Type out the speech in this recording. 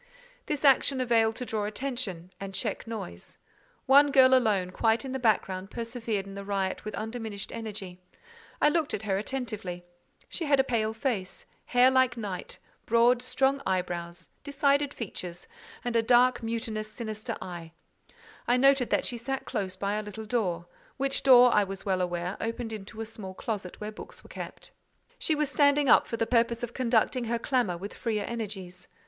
This action availed to draw attention and check noise. One girl alone, quite in the background, persevered in the riot with undiminished energy. I looked at her attentively. She had a pale face, hair like night, broad strong eyebrows, decided features, and a dark, mutinous, sinister eye: I noted that she sat close by a little door, which door, I was well aware, opened into a small closet where books were kept. She was standing up for the purpose of conducting her clamour with freer energies.